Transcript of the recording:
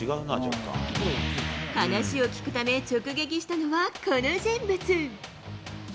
話を聞くため直撃したのはこの人物。